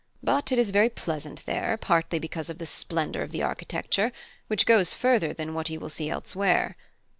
But it is very pleasant there, partly because of the splendour of the architecture, which goes further than what you will see elsewhere.